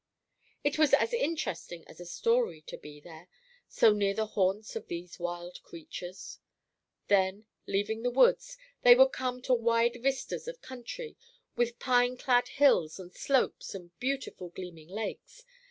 It was as interesting as a story to be there, so near the haunts of these wild creatures. Then, leaving the woods, they would come to wide vistas of country, with pine clad hills and slopes and beautiful gleaming lakes.